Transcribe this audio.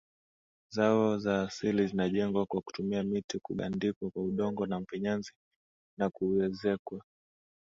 zao za asili zinajengwa kwa kutumia miti kugandikwa kwa udongo wa mfinyanzi na kuezekwa